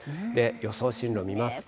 予想進路見ますとね。